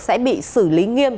sẽ bị xử lý nghiêm